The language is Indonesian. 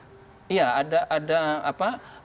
ya mungkin ada kerja sama sama yang tidak selesai